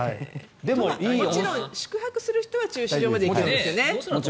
もちろん宿泊する人は駐車場まで行けるんですよね。